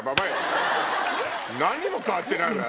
何にも変わってないわよ